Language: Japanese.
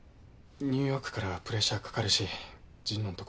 ニューヨークからプレッシャーかかるし神野